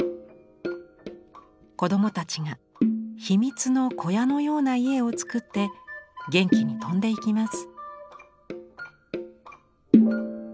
子どもたちが秘密の小屋のような家を作って元気に飛んでいきます。